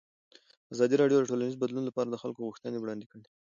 ازادي راډیو د ټولنیز بدلون لپاره د خلکو غوښتنې وړاندې کړي.